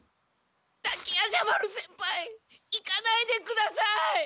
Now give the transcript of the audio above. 滝夜叉丸先輩行かないでください！